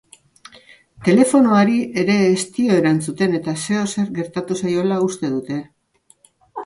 Telefonoari ere ez dio erantzuten eta zeozer gertatu zaiola uste dute.